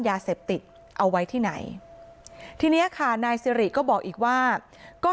ยาเสพติดเอาไว้ที่ไหนทีเนี้ยค่ะนายสิริก็บอกอีกว่าก็